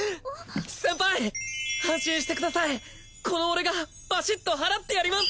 先輩安心してくださいこの俺がバシッと祓ってやります